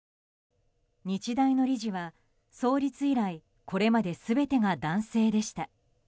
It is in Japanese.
日大の理事は創立以来これまで全てが男性でした。